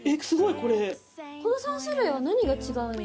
この３種類は何が違うんですか？